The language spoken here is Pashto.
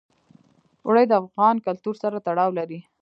اوړي د افغان کلتور سره تړاو لري.